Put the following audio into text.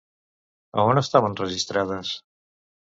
A on estaven registrades?